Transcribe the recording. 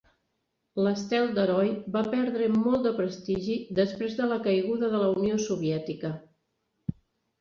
L'Estel d'Heroi va perdre molt de prestigi després de la caiguda de la Unió Soviètica.